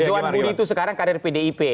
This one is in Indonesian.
johan budi itu sekarang kader pdip